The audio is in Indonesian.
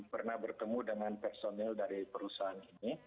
karena bertemu dengan personil dari perusahaan ini